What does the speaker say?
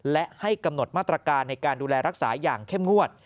และให้กำหนดมาตรการในการดูแลรักษาอย่างเข้มงวด